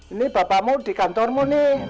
ini bapakmu di kantormu nih